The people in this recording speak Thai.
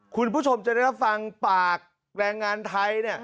คุณผู้ชมจะได้รับฟังปากแรงงานไทย